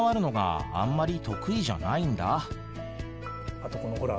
あとこのほら。